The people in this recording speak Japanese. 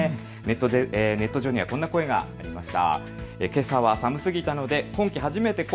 ネット上にはこんな声がありました。